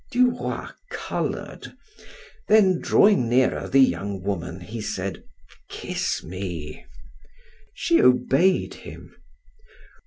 Du Roy colored, then drawing nearer the young woman, he said: "Kiss me." She obeyed him.